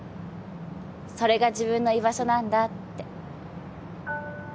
それが自分の居場所なんだって。